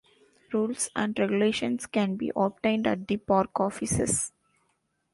Rules and regulations can be obtained at the park offices.